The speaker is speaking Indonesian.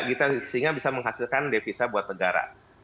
kita sehingga bisa menghasilkan devisa buat penduduk indonesia